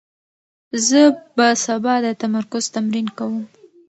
زه به سبا د تمرکز تمرین کوم.